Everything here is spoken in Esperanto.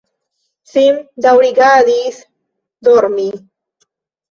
Sim daŭrigadis dormi.